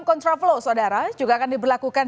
kontra flow sodara juga akan diberlakukan